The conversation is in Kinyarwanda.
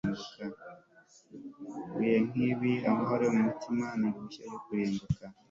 mu bihe nk'ibi, amahoro yo mu mutima ni uruhushya rwo kurimbuka